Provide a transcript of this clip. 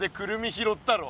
拾ったろ。